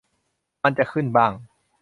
มันจะขึ้นบ้าง